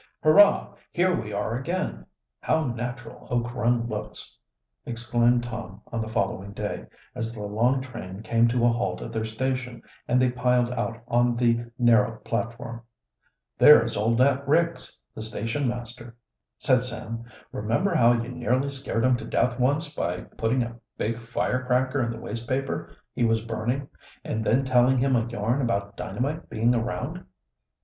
"Hurrah! Here we are again! How natural Oak Run looks!" exclaimed Tom on the following day, as the long train came to a halt at their station and they piled out on to the narrow platform. "There is old Nat Ricks, the station master," said Sam. "Remember how you nearly scared him to death once by putting a big fire cracker in the waste paper he was burning and then telling him a yarn about dynamite being around?"